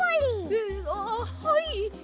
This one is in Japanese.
えっあっはい！